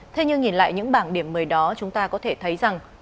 thế nhưng nhìn lại những bảng điểm mới đó chúng ta có thể thấy rằng